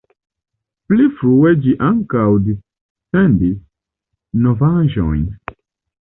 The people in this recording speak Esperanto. Pli frue ĝi ankaŭ dissendis novaĵojn.